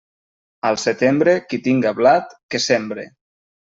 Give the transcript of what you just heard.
Al setembre, qui tinga blat, que sembre.